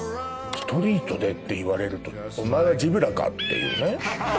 ストリートでって言われるとお前はジブラかっていうね。